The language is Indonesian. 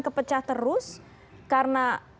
kepecah terus karena